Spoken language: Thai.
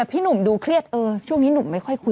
พี่หนุ่มดูเครียดช่วงนี้หนุ่มไม่ค่อยคุย